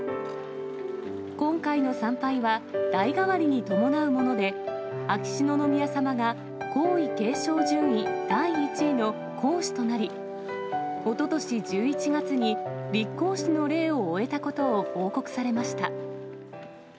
今回の参拝は、代替わりに伴うもので、秋篠宮さまが皇位継承順位第１位の皇嗣となり、おととし１１月に立皇嗣の礼を終えたことを報告されました。